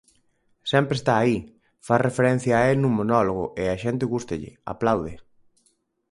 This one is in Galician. Sempre está aí, fas referencia a el nun monólogo e á xente gústalle, aplaude.